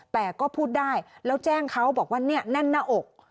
แต่ก็พูดได้แล้วแจ้งเขาบอกว่าเนี่ยแน่นหน้าอก